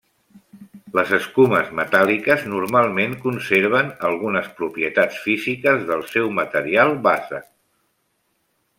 Les escumes metàl·liques normalment conserven algunes propietats físiques del seu material base.